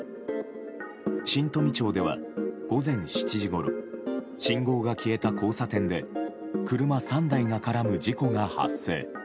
新富町では午前７時ごろ信号が消えた交差点で車３台が絡む事故が発生。